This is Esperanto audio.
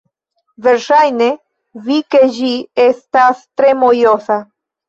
Verŝajne vi ke ĝi estas tre mojosa